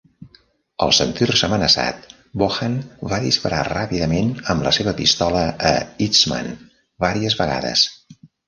Al sentir-se amenaçat, Bohan va disparar ràpidament amb la seva pistola a Eastman vàries vegades.